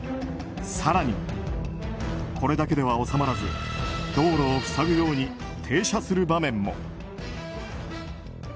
更に、これだけでは収まらず道路を塞ぐように停車する場面も。